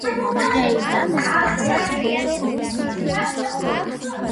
- დღეიდან ზღვასაც ვერ ვნახავ,